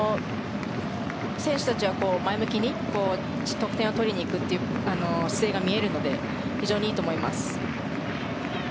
選手たちは前向きに得点を取りにいくという姿勢が見えるので非常にいいと思います。